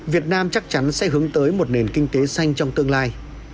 việt nam chắc chắn sẽ hướng tới một nền kinh tế xanh trong tương lai